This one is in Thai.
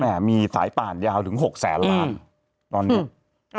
นะมีสายปากยาวถึง๖แสนล้านบาท